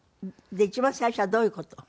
一番最初はどういう事を？